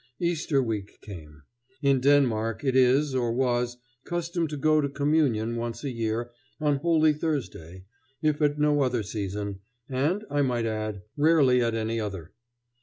Easter week came. In Denmark it is, or was, custom to go to communion once a year, on Holy Thursday, if at no other season, and, I might add, rarely at any other.